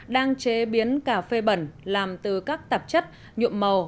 đang chế biến cà phê bẩn làm từ các tạp chất nhuộm màu